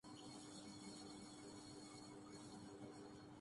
ایسی باتوں سے باہر وہ نکل نہیں پاتے۔